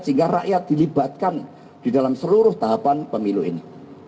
sehingga rakyat dilibatkan di dalam seluruh tahapan pemilu ini